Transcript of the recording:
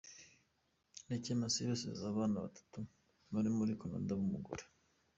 Rukemasibe asize abana batatu bari ruri Canada b’umugero .